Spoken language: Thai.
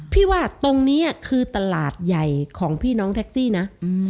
ว่าตรงนี้คือตลาดใหญ่ของพี่น้องแท็กซี่นะ